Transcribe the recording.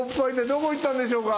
どこへいったんでしょうか？